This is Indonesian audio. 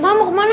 mama mau kemana